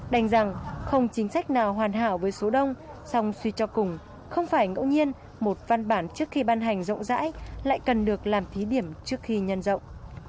đành rằng không chính sách nào hoàn hảo với số đông song suy cho cùng không phải ngẫu nhiên một văn bản trước khi ban hành rộng rãi lại cần được làm thí điểm trước khi nhân rộng